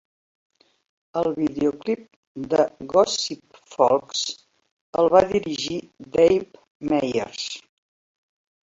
El videoclip de "Gossip Folks" el va dirigir Dave Meyers.